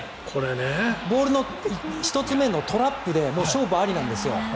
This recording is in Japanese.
ボールの１つ目のトラップでもう勝負ありなんですよ。